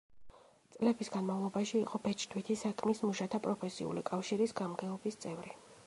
წლების განმავლობაში იყო ბეჭდვითი საქმის მუშათა პროფესიული კავშირის გამგეობის წევრი.